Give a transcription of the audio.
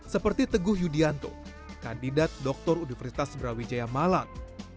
seperti teguh yudianto kandidat doktor universitas brawijaya malang